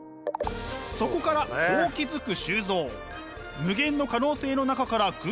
そこからこう気付く周造。